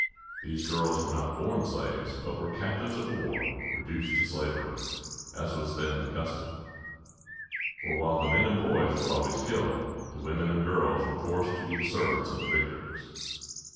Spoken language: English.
These girls were not born slaves, but were captives of war reduced to slavery, as was then the custom; for, while the men and boys were always killed, the women and girls were forced to be the servants of the victors.